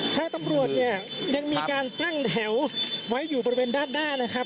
ทางตำรวจเนี่ยยังมีการตั้งแถวไว้อยู่บริเวณด้านหน้านะครับ